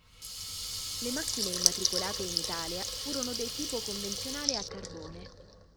Le macchine immatricolate in Italia furono del tipo convenzionale a carbone.